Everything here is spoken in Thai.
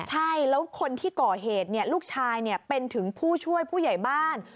ใช่แล้วคนที่ก่อเหตุลูกชายเป็นถึงผู้ช่วยผู้ใหญ่บ้าน